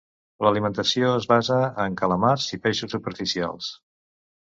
L'alimentació es basa en calamars i peixos superficials.